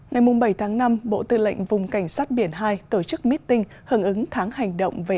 ngày bảy tháng năm bộ tư lệnh vùng cảnh sát biển hai tổ chức meeting hứng ứng tháng hành động về